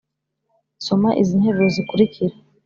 soma izi interuro zikurikira,